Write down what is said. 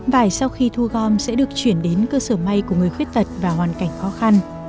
vải sau khi thu gom sẽ được chuyển đến cơ sở may của người khuyết tật và hoàn cảnh khó khăn